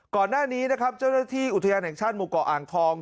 ก่อนหน้านี้นะครับเจ้าหน้าที่อุทยานแห่งชาติหมู่เกาะอ่างทอง